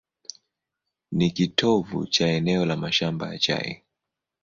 Ni kitovu cha eneo la mashamba ya chai.